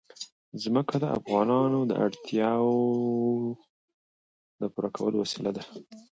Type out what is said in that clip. ځمکه د افغانانو د اړتیاوو د پوره کولو وسیله ده.